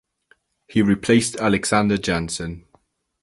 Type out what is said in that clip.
He replaced Aleksander Janson.